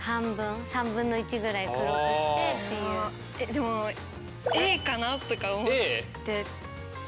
でもＡかなとか思ってて。